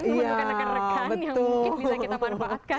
menggunakan rekan rekan yang mungkin bisa kita manfaatkan